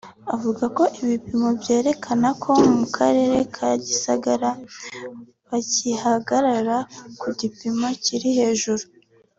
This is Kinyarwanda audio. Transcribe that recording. avuga ko ibipimo byerekana ko mu karere ka Gisagara bakihagaragara ku gipimo kiri hejuru